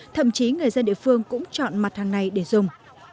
thậm chí người dân địa phương cũng chọn mặt hàng này để dùng